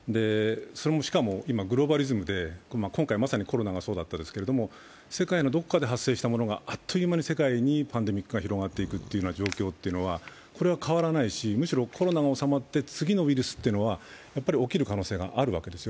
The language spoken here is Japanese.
しかも、今、グローバリズムで、まさにコロナがそうだったんですけど世界のどこかで発生したものがあっという間に世界にパンデミックで広がっていくという状況はこれは変わらないし、むしろコロナが収まって次のウイルスが起こる可能性があるわけです。